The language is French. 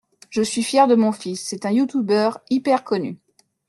Je suis fier de mon fils, c'est un youtuber hyper connu.